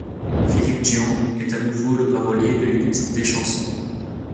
Philippe Djian est à nouveau le parolier de huit des chansons.